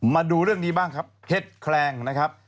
มาดูเรื่องนี้บ้างครับเห็ดแคลงนะครับ